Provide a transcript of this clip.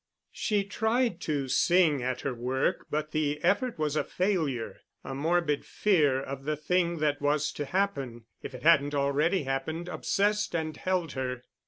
She tried to sing at her work but the effort was a failure. A morbid fear of the thing that was to happen, if it hadn't already happened, obsessed and held her.